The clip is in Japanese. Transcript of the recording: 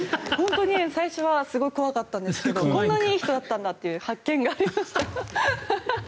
本当に最初はすごい怖かったんですけどこんなにいい人だったんだという発見がありました。